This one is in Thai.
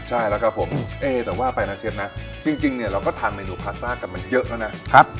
ใช่แล้วครับผมแต่ว่าไปนะเชฟนะจริงเนี่ยเราก็ทานเมนูพาสต้ากันมาเยอะแล้วนะ